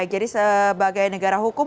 jadi sebagai negara hukum